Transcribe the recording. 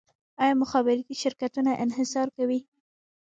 آیا مخابراتي شرکتونه انحصار کوي؟